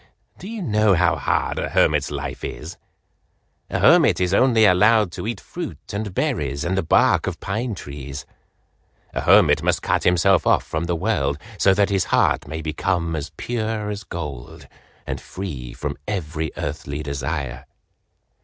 Do you know how hard a hermit's life is? A hermit is only allowed to eat fruit and berries and the bark of pine trees; a hermit must cut himself off from the world so that his heart may become as pure as gold and free from every earthly desire.